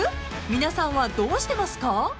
［皆さんはどうしてますか？］